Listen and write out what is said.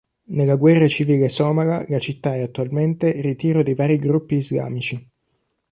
Nella guerra civile somala, la città è attualmente ritiro di vari gruppi islamici.